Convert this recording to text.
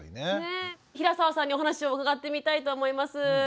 平澤さんにお話を伺ってみたいと思います。